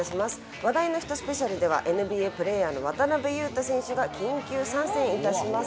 話題の人スペシャルではＮＢＡプレーヤーの渡邊雄太選手が緊急参戦いたします。